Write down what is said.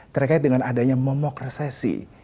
terkait dengan adanya momok resesi